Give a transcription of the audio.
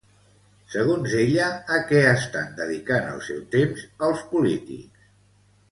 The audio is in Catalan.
Segons ella, a què estan dedicant el seu temps els polítics?